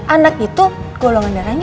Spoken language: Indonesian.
anak itu golongan darahnya